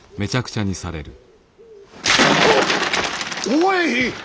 おい！